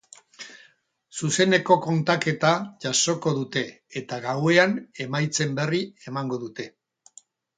Zuzeneko kontaketa jasoko dute, eta gauean, emaitzen berri emango dute.